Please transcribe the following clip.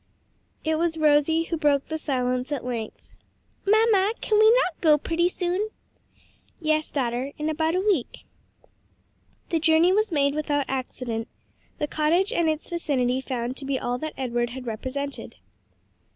It was Rosie who broke the silence at length; "Mamma, can we not go pretty soon?" "Yes, daughter, in about a week." The journey was made without accident, the cottage and its vicinity found to be all that Edward had represented.